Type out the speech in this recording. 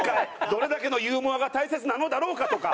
どれだけのユーモアが大切なのだろうかとか。